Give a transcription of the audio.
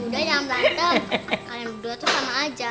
yaudah jangan berantem kalian berdua tuh sama aja